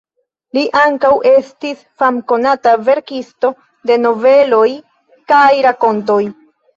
Li ankaŭ estis famkonata verkisto de noveloj kaj rakontoj.